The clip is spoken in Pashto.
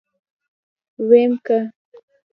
ويم که.